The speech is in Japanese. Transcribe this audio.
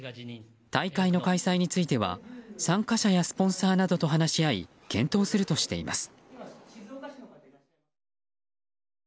大会の開催については参加者やスポンサーなどと話し合い検討するとしています。